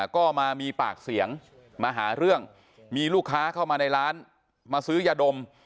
ก็มามีปากเสียงมาหาเรื่องมีลูกค้าเข้ามาในร้านมาซื้อยาดม